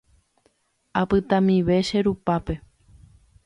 Apytamive che rupápe.